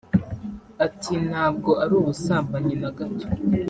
Ati “Ntabwo ari ubusambanyi na gato